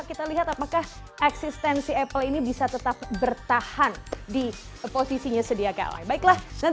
kita lihat apakah eksistensi apple ini bisa tetap bertahan di posisinya sedia kalah